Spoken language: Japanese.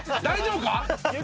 大丈夫か？